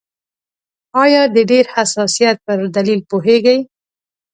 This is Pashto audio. آیا د ډېر حساسیت پر دلیل پوهیږئ؟